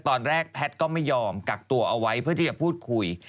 ตอนแรกแพทย์ก็ไม่ยอมกักตัวเอาไว้เพื่อที่จะพูดคุย